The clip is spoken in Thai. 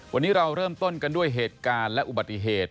วันนี้เราเริ่มต้นกันด้วยเหตุการณ์และอุบัติเหตุ